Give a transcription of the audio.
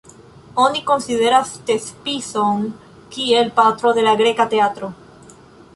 Oni konsideras Tespison kiel patro de la greka teatro.